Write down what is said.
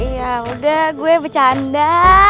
ya udah gue bercanda